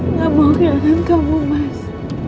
aku gak mau kehilangan kamu mas